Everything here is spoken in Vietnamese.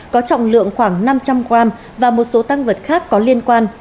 có trọng lượng khoảng năm trăm linh g và một số tăng vật khác có liên quan